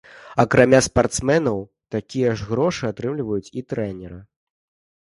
Акрамя спартсменаў, такія ж грошы атрымаюць і трэнеры.